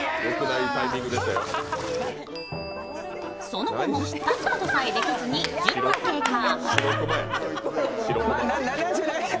その後も立つことさえできずに１０分経過。